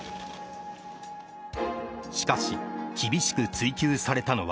しかし厳しく追及されたのは。